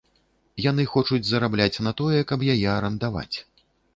Яны хочуць зарабляць на тое, каб яе арандаваць.